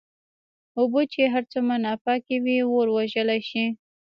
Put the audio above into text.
اوبه چې هرڅومره ناپاکي وي اور وژلی شې.